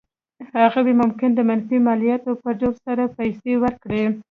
هغوی ممکن د منفي مالیاتو په ډول سره پیسې ورکړي.